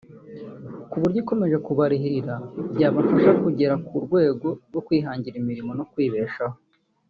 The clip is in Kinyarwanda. ku buryo ikomeje kubarihirira byabafasha bakagera ku rwego rwo kwihangira imirimo no kwibeshaho